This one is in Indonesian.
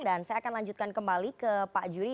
dan saya akan lanjutkan kembali ke pak jury